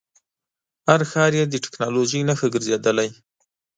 هر ښار یې د ټکنالوژۍ نښه ګرځېدلی.